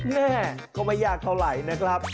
แม่ก็ไม่ยากเท่าไหร่นะครับ